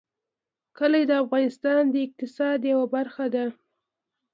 کلي د افغانستان د اقتصاد یوه برخه ده.